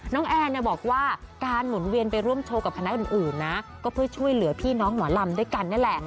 แอนบอกว่าการหมุนเวียนไปร่วมโชว์กับคณะอื่นนะก็เพื่อช่วยเหลือพี่น้องหมอลำด้วยกันนี่แหละ